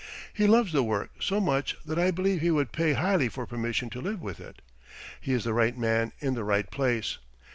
He loves the work so much that I believe he would pay highly for permission to live with it. He is the right man in the right place.